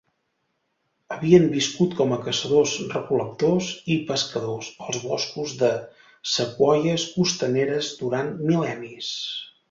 Havien viscut com a caçadors-recol·lectors i pescadors als boscos de sequoies costaneres durant mil·lennis.